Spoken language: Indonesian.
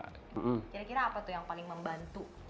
kira kira apa tuh yang paling membantu